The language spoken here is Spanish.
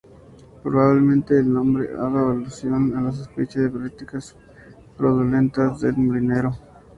Probablemente, el nombre haga alusión a la sospecha de prácticas fraudulentas del molinero.